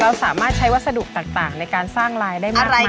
เราสามารถใช้วัสดุต่างในการสร้างลายได้เมื่อไหร่